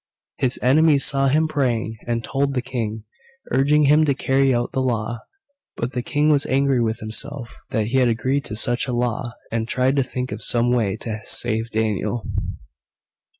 His enemies saw him praying, and told the King, urging him to carry out the law. But the King was angry with himself that he had agreed to such a law, and tried to think of some way to save Daniel.